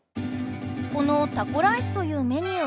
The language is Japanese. このタコライスというメニュー